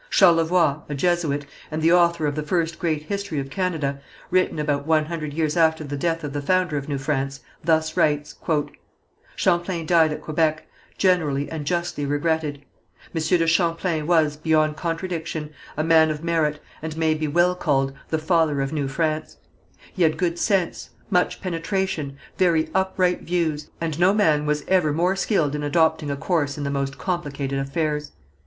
Charlevoix, a Jesuit, and the author of the first great history of Canada, written about one hundred years after the death of the founder of New France, thus writes: "Champlain died at Quebec, generally and justly regretted. M. de Champlain was, beyond contradiction, a man of merit, and may be well called, The Father of New France. He had good sense, much penetration, very upright views, and no man was ever more skilled in adopting a course in the most complicated affairs.